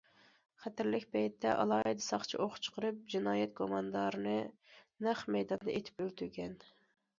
خەتەرلىك پەيتتە، ئالاھىدە ساقچى ئوق چىقىرىپ جىنايەت گۇماندارىنى نەق مەيداندا ئېتىپ ئۆلتۈرگەن.